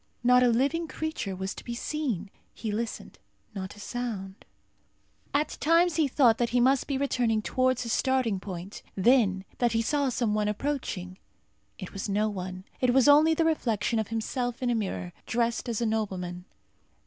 Not a living creature was to be seen. He listened. Not a sound. At times he thought that he must be returning towards his starting point; then, that he saw some one approaching. It was no one. It was only the reflection of himself in a mirror, dressed as a nobleman.